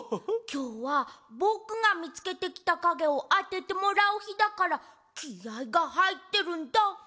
きょうはぼくがみつけてきたかげをあててもらうひだからきあいがはいってるんだ。